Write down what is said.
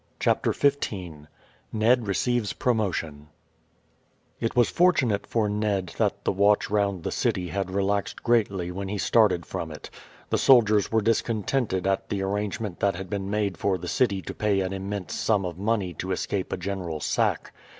CHAPTER XV NED RECEIVES PROMOTION It was fortunate for Ned that the watch round the city had relaxed greatly when he started from it. The soldiers were discontented at the arrangement that had been made for the city to pay an immense sum of money to escape a general sack.